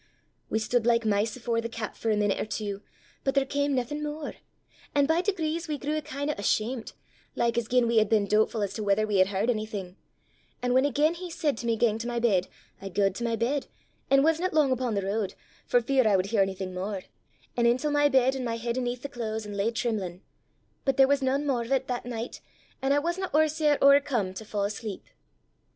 "We stood like mice afore the cat for a meenute or twa, but there cam naething mair; an' by degrees we grew a kin' o' ashamet, like as gien we had been doobtfu' as to whether we had h'ard onything; an' whan again he said to me gang to my bed, I gaed to my bed, an' wasna lang upo' the ro'd, for fear I wud hear onything mair an' intil my bed, an' my heid 'aneth the claes, an' lay trimlin'. But there was nane mair o' 't that nicht, an' I wasna ower sair owercome to fa' asleep.